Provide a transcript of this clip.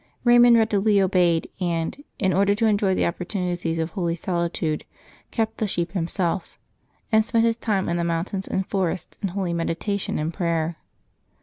Eaymund readily obeyed, and, in order to enjoy the opportunity of holy solitude, kept the sheep himself, and spent his time in the moun tains and forests in holy meditation and prayer.